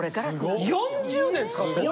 ４０年使ってんの？